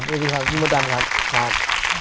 ขอบคุณมากครับ